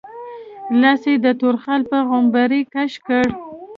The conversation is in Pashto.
لاس يې د تور خال په غومبري کش کړ.